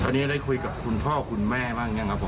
ตอนนี้หลายคุยกับคุณพ่อคุณแม่บ้างเนี่ยนะครับผม